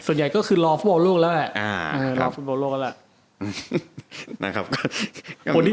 ส่วนใหญ่ก็คือลอบภูมิประวัติโลกแล้วแหละ